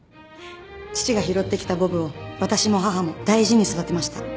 父が拾ってきたボブを私も母も大事に育てました。